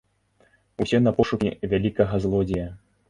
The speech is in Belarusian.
Усе на пошукі вялікага злодзея!